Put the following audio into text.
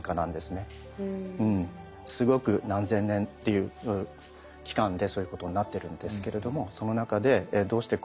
すごく何千年っていう期間でそういうことになってるんですけれどもその中でそうですね。